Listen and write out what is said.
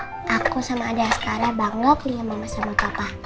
karena aku sama adik askaranya bangga punya mama sama papa